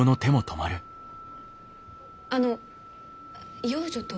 あの養女とは？